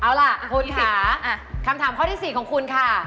เอาล่ะคุณค่ะคำถามข้อที่๔ของคุณค่ะ